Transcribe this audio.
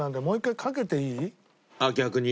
あっ逆に？